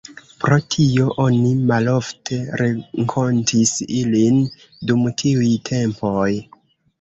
Pro tio oni malofte renkontis ilin dum tiuj tempoj.